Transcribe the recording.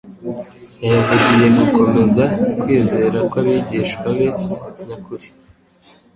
yayavugiye gukomeza kwizera kw'abigishwa be nyakuri,